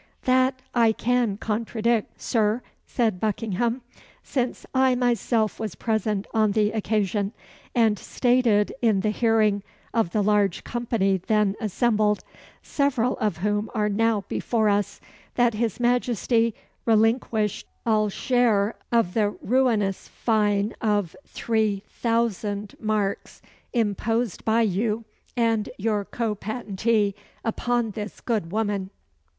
"That I can contradict, Sir," said Buckingham, "since I myself was present on the occasion, and stated in the hearing of the large company then assembled, several of whom are now before us, that his Majesty relinquished all share of the ruinous fine of three thousand marks imposed by you and your co patentee upon this good woman."